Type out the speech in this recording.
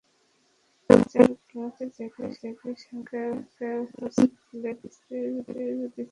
চার নম্বরে ক্লার্কের জায়গায় সাবেক অস্ট্রেলিয়ান লেগ স্পিনার বেছে নিয়েছেন মাইক হাসিকে।